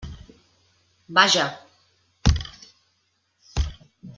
Vaja!